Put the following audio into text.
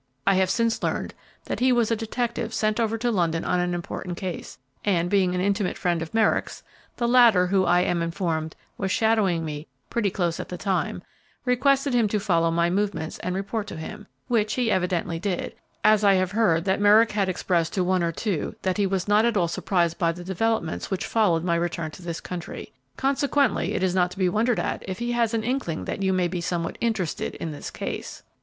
I have since learned that he was a detective sent over to London on an important case, and being an intimate friend of Merrick's, the latter, who, I am informed, was shadowing me pretty closely at the time, requested him to follow my movements and report to him, which he evidently did, as I have since heard that Merrick had expressed to one or two that he was not at all surprised by the developments which followed my return to this country. Consequently, it is not to be wondered at if he has an inkling that you may be somewhat interested in this case."